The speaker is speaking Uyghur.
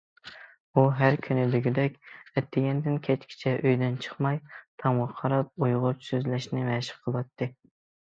ئۇ ھەر كۈنى دېگۈدەك ئەتىگەندىن كەچكىچە ئۆيدىن چىقماي، تامغا قاراپ ئۇيغۇرچە سۆزلەشنى مەشىق قىلاتتى.